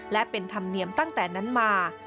และเป็นธรรมเนียมตั้งแต่นั้นมา